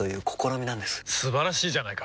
素晴らしいじゃないか！